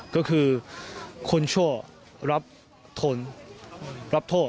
ก็คือคุณชั่วรับทนรับโทษ